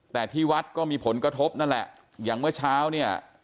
แต่ที่วัดก็มีผลกระทบนั่นแหละอย่างเมื่อเช้าเนี่ย